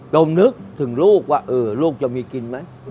นึกถึงลูกว่าลูกจะมีกินไหม